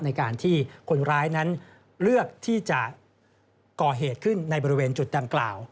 ในการที่คนร้ายนั้นเลือกที่จะก่อเหตุขึ้นในบริเวณจุดดังกล่าว